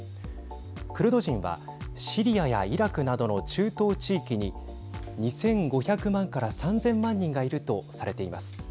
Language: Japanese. クルド人はシリアやイラクなどの中東地域に２５００万から３０００万人がいるとされています。